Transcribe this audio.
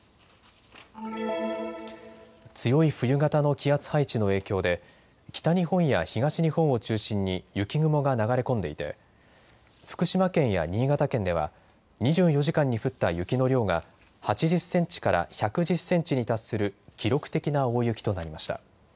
強い冬型の気圧配置の影響で北日本や東日本を中心に雪雲が流れ込んでいて福島県や新潟県では２４時間に降った雪の量が８０センチから１１０センチに達する記録的な大雪となりました。